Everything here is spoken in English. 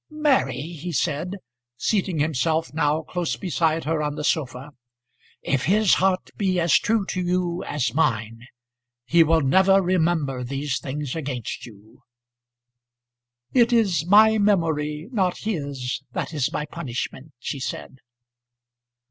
"Mary," he said, seating himself now close beside her on the sofa, "if his heart be as true to you as mine, he will never remember these things against you." "It is my memory, not his, that is my punishment," she said.